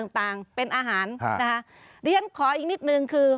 ต่างเป็นอาหารด้วยอย่างนั้นขออีกนิดนึงคือ